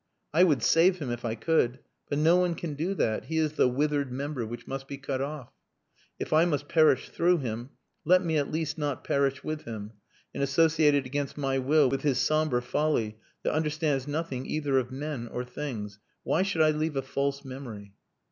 I would save him if I could but no one can do that he is the withered member which must be cut off. If I must perish through him, let me at least not perish with him, and associated against my will with his sombre folly that understands nothing either of men or things. Why should I leave a false memory?"